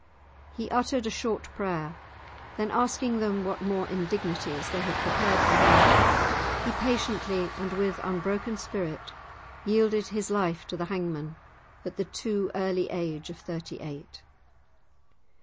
He uttered a short prayer; then asking them what more indignities they had prepared for him, he patiently and with unbroken spirit yielded his life to the hangman, at the too early age of thirty eight.